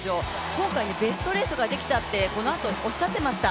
今回、ベストレースができたってこのあとおっしゃってました。